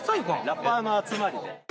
ラッパーの集まりで。